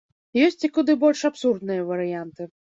Ёсць і куды больш абсурдныя варыянты.